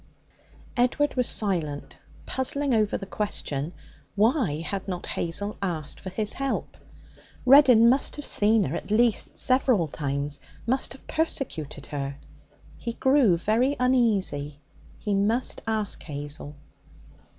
Edward was silent, puzzling over the question, Why had not Hazel asked for his help? Reddin must have seen her at least several times, must have persecuted her. He grew very uneasy. He must ask Hazel.